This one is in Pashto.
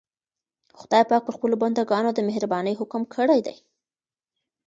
خدای پاک پر خپلو بندګانو د مهربانۍ حکم کړی دی.